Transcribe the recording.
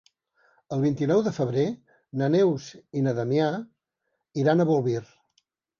El vint-i-nou de febrer na Neus i na Damià iran a Bolvir.